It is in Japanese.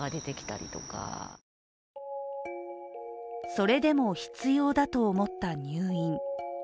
それでも必要だと思った入院。